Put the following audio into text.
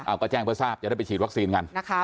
เอาก็แจ้งเพื่อทราบจะได้ไปฉีดวัคซีนกันนะคะ